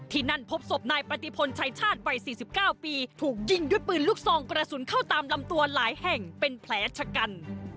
ที่นั่นพบศพนายปฏิพลชายชาติวัย๔๙ปีถูกยิงด้วยปืนลูกซองกระสุนเข้าตามลำตัวหลายแห่งเป็นแผลชะกัน